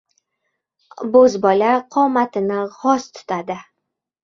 Bo‘zbola qomatini g‘oz tutadi.